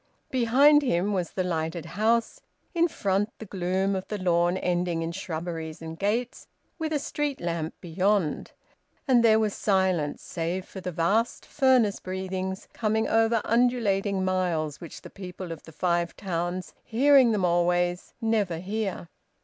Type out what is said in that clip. Behind him was the lighted house; in front the gloom of the lawn ending in shrubberies and gates, with a street lamp beyond. And there was silence, save for the vast furnace breathings, coming over undulating miles, which the people of the Five Towns, hearing them always, never hear.